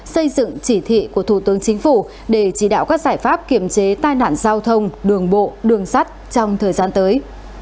xây dựng chỉ thị của thủ tướng chính phủ để chỉ đạo các giải pháp kiểm chế tai nạn giao thông đường bộ đường sắt trong thời gian tới